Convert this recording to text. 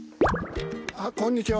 あっこんにちは。